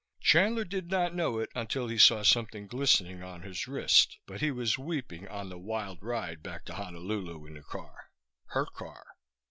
Chandler did not know it until he saw something glistening on his wrist, but he was weeping on the wild ride back to Honolulu in the car. Her car.